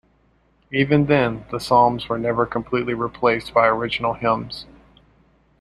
Even then, the psalms were never completely replaced by original hymns.